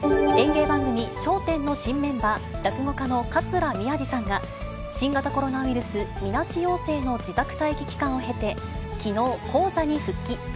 演芸番組、笑点の新メンバー、落語家の桂宮治さんが、新型コロナウイルスみなし陽性の自宅待機期間を経て、きのう、高座に復帰。